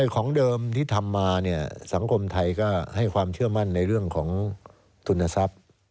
ของเดิมที่ทำมาสังคมไทยก็ให้ความเชื่อมั่นในเรื่องของทุนทรัพย์